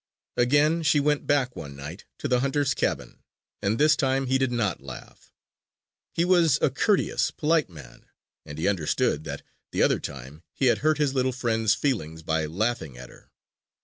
Again she went back, one night, to the hunter's cabin; and this time he did not laugh. He was a courteous, polite man; and he understood that, the other time, he had hurt his little friend's feelings by laughing at her.